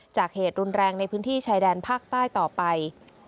เหตุรุนแรงในพื้นที่ชายแดนภาคใต้ต่อไป